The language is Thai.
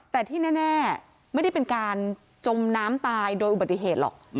แต่ที่แน่ไม่ได้เป็นการจมน้ำตายโดยอุบัติเหตุหรอก